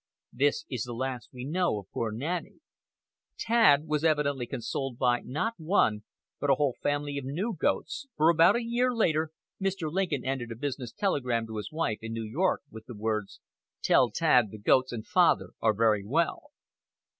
This is the last we know of poor Nanny." Tad was evidently consoled by, not one, but a whole family of new goats, for about a year later Mr. Lincoln ended a business telegram to his wife in New York with the words: "Tell Tad the goats and Father are very well."